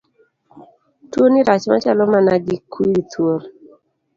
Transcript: Tuoni rach machalo mana gi kwiri thuol.